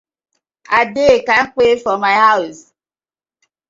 I dey kampe for my hawz.